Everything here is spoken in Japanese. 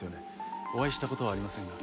お会いした事はありませんが。